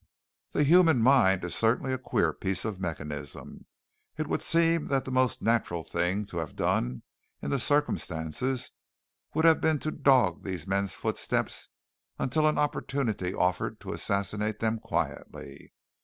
The human mind is certainly a queer piece of mechanism. It would seem that the most natural thing to have done, in the circumstances, would have been to dog these men's footsteps until an opportunity offered to assassinate them quietly.